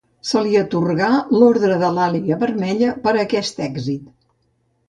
Se li atorgà l'Ordre de l'àguila vermella per a aquest èxit.